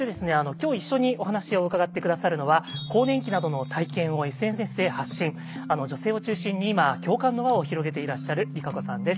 今日一緒にお話を伺って下さるのは更年期などの体験をＳＮＳで発信女性を中心に今共感の輪を広げていらっしゃるＲＩＫＡＣＯさんです。